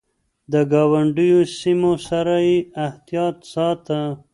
د ګاونډيو سيمو سره يې احتياط ساته.